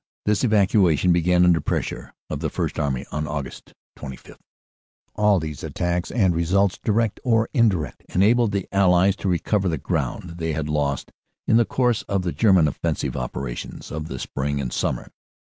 This evacua tion began under pressure of the First Army on Aug. 25. "All these attacks and results, direct or indirect, enabled the Allies to recover the ground they had lost in the course of the German offensive operations (of the spring and summer).